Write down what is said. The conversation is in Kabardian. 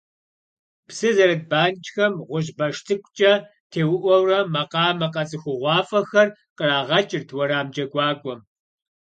Псы зэрыт банкӏхэм гъущӏ баш цӏыкӏукӏэ теуӏэурэ макъамэ къэцӏыхугъуафӏэхэр къригъэкӏырт уэрам джэгуакӏуэм.